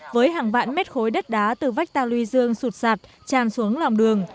với hàng vạn mét khối đất đá từ vách tà luy dương sụt sạt tràn xuống lòng đường